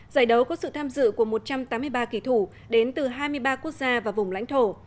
giải đấu có sự tham dự của một trăm tám mươi ba kỳ thủ đến từ hai mươi ba quốc gia và vùng lãnh thổ